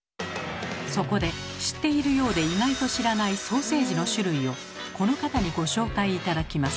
そこで知っているようで意外と知らないソーセージの種類をこの方にご紹介頂きます。